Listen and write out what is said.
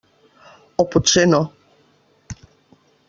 O potser no.